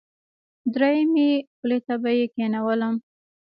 دریمې خولې ته به یې کېنوم.